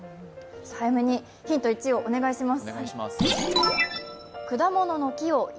早めにヒント１をお願いします。